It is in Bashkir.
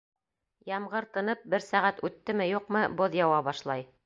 Ямғыр тынып, бер сәғәт үттеме-юҡмы, боҙ яуа башлай.